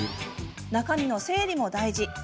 中身の整理も大事です。